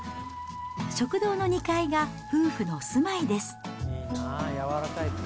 食堂の２階が夫婦の住まいです。